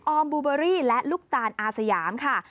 อมบูเบอรี่และลูกตาลอาสยามค่ะ